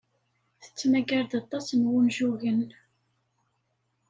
Tettmagar-d aṭas n wunjugen.